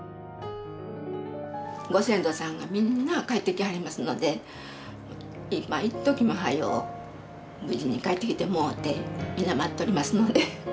ご先祖さんがみんな帰ってきはりますので一時も早う無事に帰ってきてもろうてみんな待っとりますので。